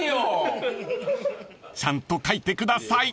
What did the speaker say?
［ちゃんと書いてください］